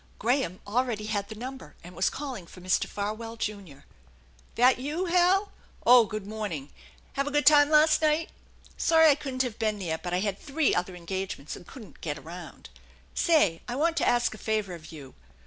Graham already had the number, and was calling for Mr. Farwell, Junior. " That you, Hal ? Oh, good morning ! Have a good time last night ? Sorry I couldn't have been there, but I had three other engagements and couldn't get around. Say, I want to ask a favor of you.